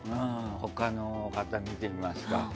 他の方を見てみますか。